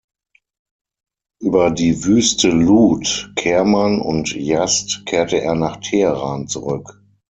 Über die Wüste Lut, Kerman und Yazd kehrte er nach Teheran zurück.